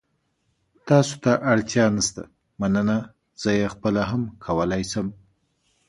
تاسو ته اړتیا نشته، مننه. زه یې خپله هم کولای شم.